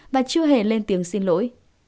và chưa hề lên tiếng xin lỗi